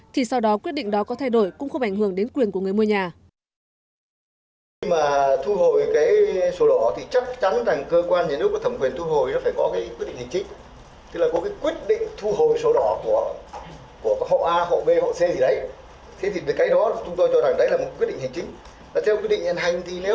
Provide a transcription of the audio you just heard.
thì sau đó quyết định đó có thay đổi cũng không ảnh hưởng đến quyền của người mua nhà